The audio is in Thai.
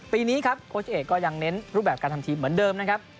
ปีนี้ครับโค้ชเอกก็ยังเน้นรูปแบบการทำทีมเหมือนเดิมนะครับ